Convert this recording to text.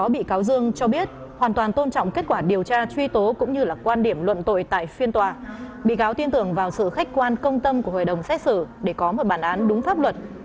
bị cáo tuyên tưởng vào sự khách quan công tâm của hội đồng xét xử để có một bản án đúng pháp luật